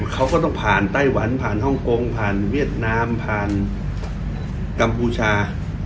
เขาก็ต้องผ่านไต้หวันผ่านฮ่องกงผ่านเวียดนามผ่านกัมพูชา